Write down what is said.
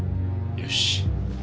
よし。